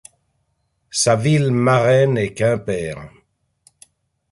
Sa ville marraine est Quimper.